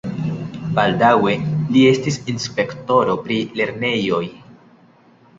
Baldaŭe li estis inspektoro pri lernejoj.